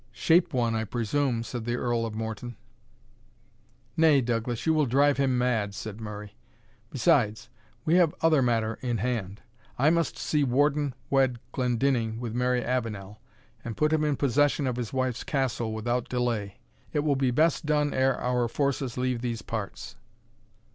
"Shape one, I presume," said the Earl of Morton. "Nay, Douglas, you will drive him mad," said Murray; "besides, we have other matter in hand I must see Warden wed Glendinning with Mary Avenel, and put him in possession of his wife's castle without delay. It will be best done ere our forces leave these parts."